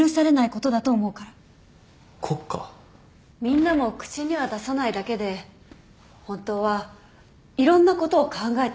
みんなも口には出さないだけで本当はいろんなことを考えてると思う。